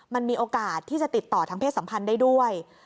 มันมีโอกาสที่จะติดต่อทางเพศสัมพันธ์ได้ด้วย